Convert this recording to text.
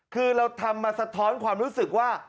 คือเราทำมาสะท้อนความรู้สึกว่า